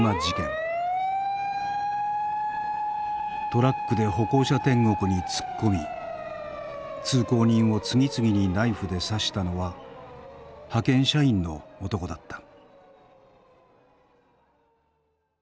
トラックで歩行者天国に突っ込み通行人を次々にナイフで刺したのは派遣社員の男だった。